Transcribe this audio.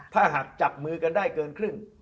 ถ้าหากจับมือกันได้เกินครึ่ง